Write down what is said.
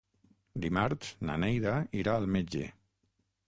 Dimarts na Neida irà al metge.